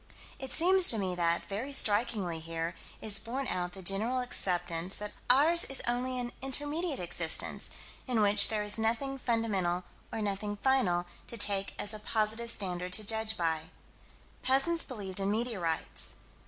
It seems to me that, very strikingly here, is borne out the general acceptance that ours is only an intermediate existence, in which there is nothing fundamental, or nothing final to take as a positive standard to judge by. Peasants believed in meteorites.